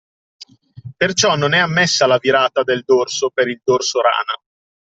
Perciò non è ammessa la virata del dorso per il dorso-rana.